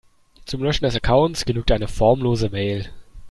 Zum Löschen des Accounts genügt eine formlose Mail.